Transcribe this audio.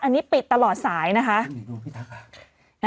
อันนี้ปิดตลอดสายนะคะ